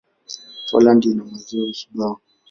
Poland ina maziwa kibao.